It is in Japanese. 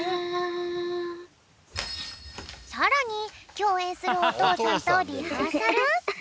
さらにきょうえんするおとうさんとリハーサル。